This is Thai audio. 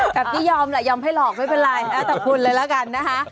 แบบนี้ยอมแหละยอมให้หลอกไม่เป็นไรแล้วแต่คุณเลยแล้วกันนะคะ